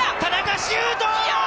田中シュート！